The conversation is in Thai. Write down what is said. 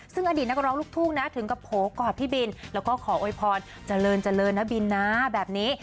ซึ่งอดีตนักร้องลูกทุ่งนะถึงกับโผล่กอดพี่บินแล้วก็ขอโวยพรเจริญเจริญนะบินนะแบบนี้